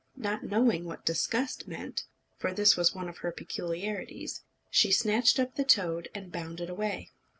Not knowing what disgust meant, for this was one of her peculiarities, she snatched up the toad and bounded away.